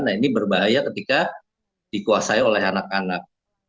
nah ini berbahaya ketika dikuasai oleh anak anak